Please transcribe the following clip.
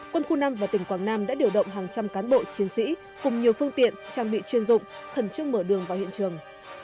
quân khu năm và tỉnh quảng nam đã điều động hàng trăm cán bộ chiến sĩ cùng nhiều phương tiện trang bị chuyên dụng khẩn trương mở đường vào hiện trường